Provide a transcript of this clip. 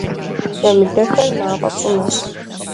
Ямыдэххэр мафӀэ пщӀынырщ.